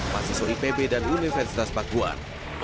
mahasiswa ipb dan universitas pakuan